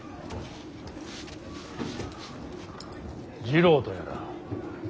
次郎とやら。